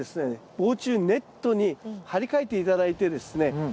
防虫ネットに張り替えて頂いてですね